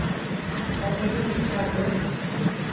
Ә теге ике сабый.